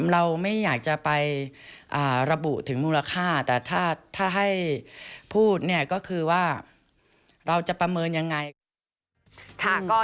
เราไม่อยากจะไประบุถึงมูลค่าแต่ถ้าให้พูดเนี่ยก็คือว่าเราจะประเมินยังไง